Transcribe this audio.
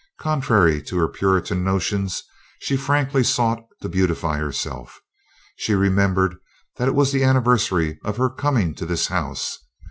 Contrary to her Puritan notions, she frankly sought to beautify herself. She remembered that it was the anniversary of her coming to this house.